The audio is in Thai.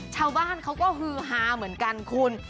ชาวบ้านเขาก็ฮือฮาเหมือนกันคุณ